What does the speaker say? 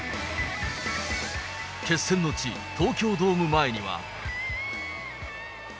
決戦の地、東京ドーム前には。